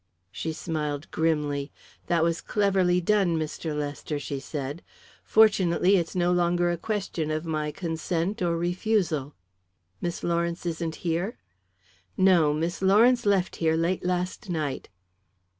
She smiled grimly. "That was cleverly done, Mr. Lester," she said. "Fortunately it's no longer a question of my consent or refusal." "Miss Lawrence isn't here?" "No; Miss Lawrence left here late last night."